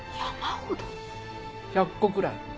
１００個くらい。